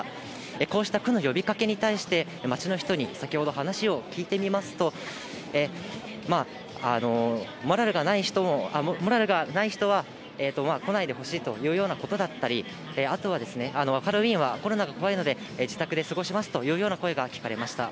こうした区の呼びかけに対して、街の人に先ほど話を聞いてみますと、モラルがない人は来ないでほしいというようなことだったり、あとは、ハロウィーンはコロナが怖いので、自宅で過ごしますというような声が聞かれました。